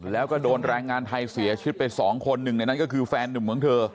แล้วก็โดนแรงงานไทยเสียชีวิตไปสองคนหนึ่งในนั้นก็คือแฟนหนุ่มของเธอ